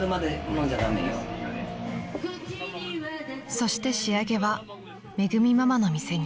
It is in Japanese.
［そして仕上げはめぐみママの店に］